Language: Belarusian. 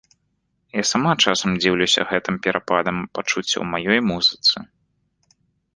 Я сама часам дзіўлюся гэтым перападам пачуццяў у маёй музыцы.